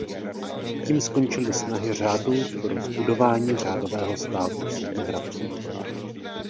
Tím skončili snahy řádu pro zbudování řádového státu v Sedmihradsku.